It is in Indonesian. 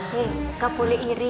he gak boleh iri